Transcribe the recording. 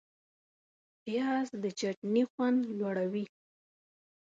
پیاز د چټني خوند لوړوي